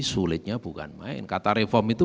sulitnya bukan main kata reform itu